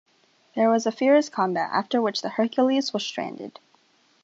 There was a fierce combat after which the Hercules was stranded.